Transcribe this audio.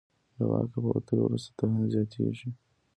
له واکه په وتلو وروسته توهین زیاتېږي.